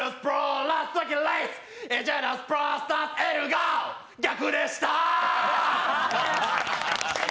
Ｌが逆でした！！